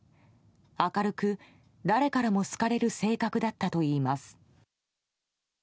明るく、誰からも好かれる性格だったといいます。